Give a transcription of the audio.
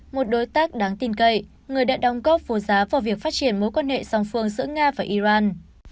một đối tác đáng tin cậy người đã đóng góp vô giá vào việc phát triển mối quan hệ song phương giữa nga và iran